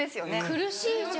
苦しいじゃん。